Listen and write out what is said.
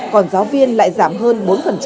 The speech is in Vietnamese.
còn giáo viên lại giảm hơn bốn